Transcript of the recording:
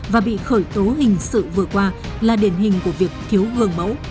và bị khởi tố hình sự vừa qua là điển hình của việc thiếu gương mẫu